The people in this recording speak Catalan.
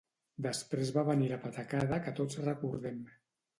Després va venir la patacada que tots recordem.